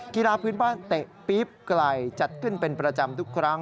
กีฬาพื้นบ้านเตะปี๊บไกลจัดขึ้นเป็นประจำทุกครั้ง